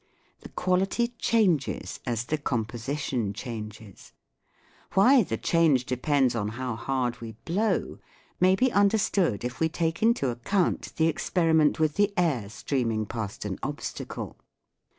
The quality changes as the composition changes. Why the change depends on how hard we blow may be understood if we take into account the experiment with the air streaming past an obstacle.